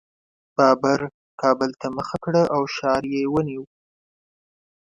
بابر کابل ته مخه کړه او ښار یې ونیو.